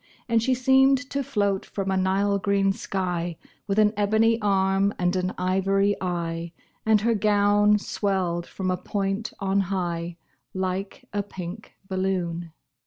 And she seemed to float from a Nile green sky, With an ebony arm and an ivory eye, And her gown swelled from a point on high, Like a pink balloon.